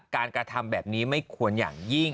กระทำแบบนี้ไม่ควรอย่างยิ่ง